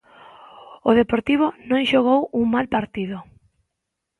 O Deportivo non xogou un mal partido.